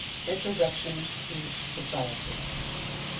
Introduction to Society.